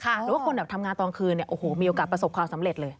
หรือว่าคนทำงานตอนคืนมีโอกาสประสบความสำเร็จเลย